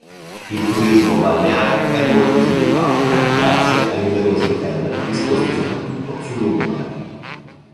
Il turismo balneare è molto sviluppato grazie ai numerosi hotel disposti soprattutto sul lungomare.